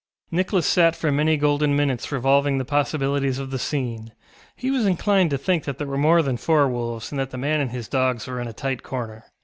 Nicholas sat for many golden minutes revolving the possibilities of the scene; he was inclined to think that there were more than four wolves and that the man and his dogs were in a tight corner.